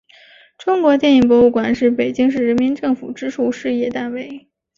中国电影博物馆是北京市人民政府直属事业单位。